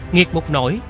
nghiệt một nỗi